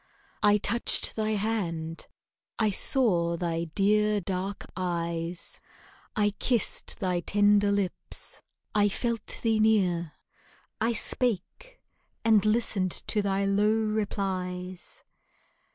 I touched thy hand, I saw thy dear, dark eyes, I kissed thy tender lips, I felt thee near, I spake, and listened to thy low replies.